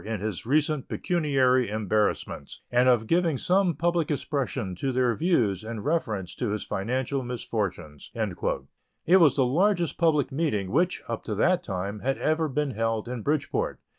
in his recent pecuniary embarrassments, and of giving some public expression to their views in reference to his financial misfortunes." It was the largest public meeting which, up to that time, had ever been held in Bridgeport.